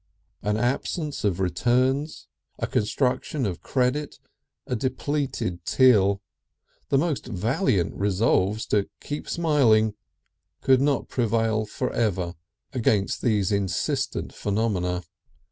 An absence of returns, a constriction of credit, a depleted till, the most valiant resolves to keep smiling, could not prevail for ever against these insistent phenomena.